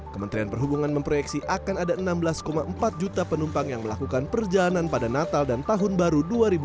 kementerian perhubungan memproyeksi akan ada enam belas empat juta penumpang yang melakukan perjalanan pada natal dan tahun baru dua ribu dua puluh